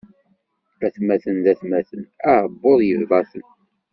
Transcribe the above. Atmaten d atmaten, aɛubbuḍ yebḍa-ten.